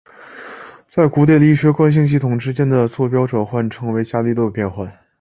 在古典力学里惯性系统之间的座标转换称为伽利略变换。